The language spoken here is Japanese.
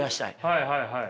はいはいはい。